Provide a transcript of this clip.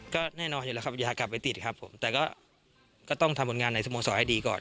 ก็แน่นอนอยู่แล้วครับอย่ากลับไปติดครับผมแต่ก็ต้องทำผลงานในสโมสรให้ดีก่อน